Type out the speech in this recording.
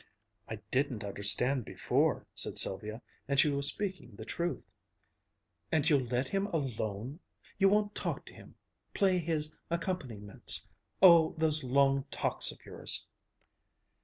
"I didn't understand before," said Sylvia; and she was speaking the truth. "And you'll let him alone? You won't talk to him play his accompaniments oh, those long talks of yours!"